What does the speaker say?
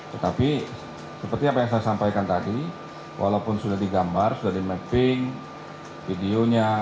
tetapi seperti apa yang saya sampaikan tadi walaupun sudah digambar sudah di mapping videonya